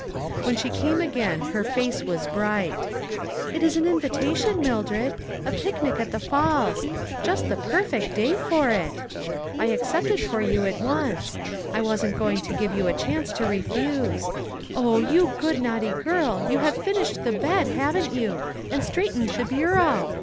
When she came again her face was bright. " It is an invitation, Mildred ; a picnic at the falls ; just a perfect day for it. I ac cepted for you at once. I wasn't going to give you a chance to refuse. Oh ! you good, naughty girl, you have finished the bed, haven't you, and straightened the bureau?